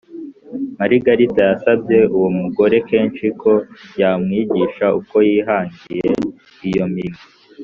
Marigarita yasabye uwo mugore kenshi ko yamwigisha uko yihangiye iyo mirimo